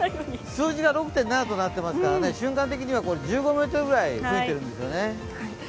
数字が６．７となっていますから、瞬間的には１５メートルくらい吹いてるんですよね。